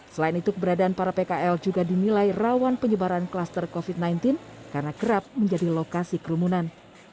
selain itu keberadaan para pkl juga dinilai rawan penyebaran kluster covid sembilan belas karena kerap menjadi lokasi kerumunan